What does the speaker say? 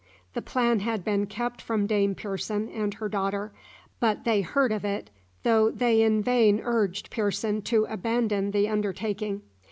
The plan had been kept from Dame Pearson and her daughter, but they heard of it, though they in vain urged Pearson to abandon the undertaking.